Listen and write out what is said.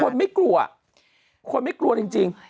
คนไม่กลัวคนไม่กลัวจริง